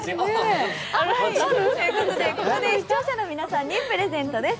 ここで視聴者の皆さんにプレゼントです。